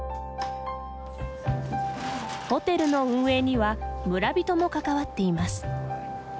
ホテルの運営には村人も関わっています。